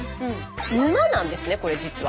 沼なんですねこれ実は。